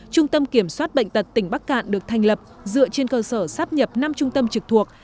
trung tâm kiểm soát bệnh tật tỉnh bắc cạn được thành lập dựa trên cơ sở sắp nhập năm trung tâm trực thuộc